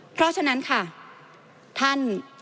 เพราะฉะนั้นค่ะท่าน